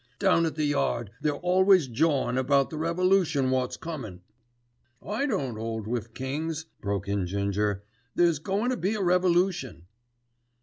"Down at the yard they're always jawin' about the revolution wot's comin'." "I don't 'old wiv kings," broke in Ginger. "There's goin' to be a revolution."